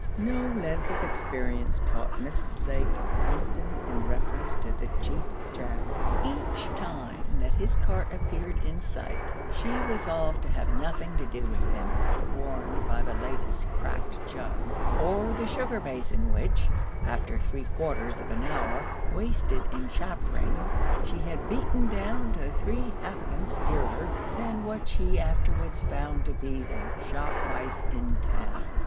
No length of experience taught Mrs. Lake wisdom in reference to the Cheap Jack. Each time that his cart appeared in sight she resolved to have nothing to do with him, warned by the latest cracked jug, or the sugar basin which, after three quarters of an hour wasted in chaffering, she had beaten down to three halfpence dearer than what she afterwards found to be the shop price in the town.